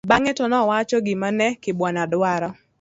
bang'e to nowacho gima ne Kibwana dwaro